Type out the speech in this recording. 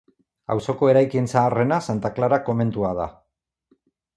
Auzoko eraikin zaharrena Santa Klara komentua da.